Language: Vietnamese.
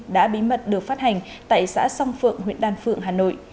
đã bí mật được phát hành tại xã song phượng huyện đan phượng hà nội